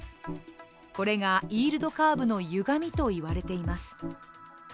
これがイールドカーブのゆがみといわれています。